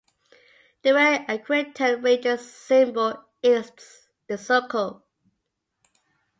The Red Aquitian Ranger's symbol is the circle.